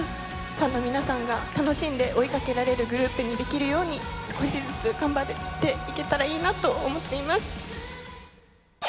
ファンの皆さんが楽しんで追いかけられるグループにできるように、少しずつ頑張っていけたらいいなと思っています。